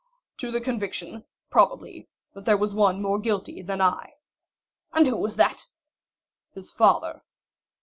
"To the conviction, probably, that there was one more guilty than I." "And who was that?" "His father."